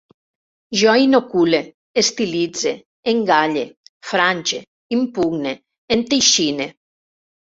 Jo inocule, estilitze, engalle, frange, impugne, enteixine